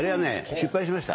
失敗しました。